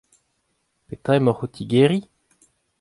Petra emaoc'h o tigeriñ ?